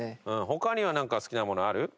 他にはなんか好きなものある？